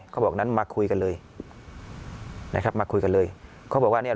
เขาบอกนั้นมาคุยกันเลยนะครับมาคุยกันเลยเขาบอกว่าเนี้ย